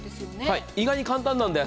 意外に簡単なんです。